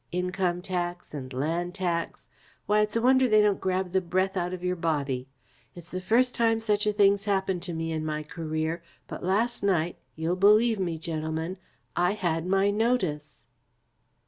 Income Tax and Land Tax why, it's a wonder they don't grab the breath out of your body. It's the first time such a thing's happened to me in my career, but last night you'll believe me, gentlemen I had my notice."